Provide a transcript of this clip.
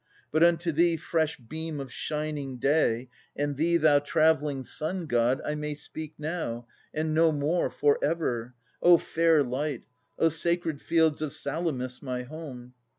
But unto thee, fresh beam of shining Day, And thee, thou travelling Sun god, I may speak Now, and no more for ever. O fair light! sacred fields of Salamis my home